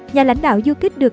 nhà lãnh đạo du kích được